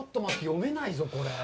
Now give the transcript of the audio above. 読めないぞ、これ。